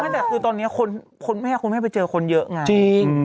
ไม่เอาเดี๋ยวฉันไปตรวจแล้วนี่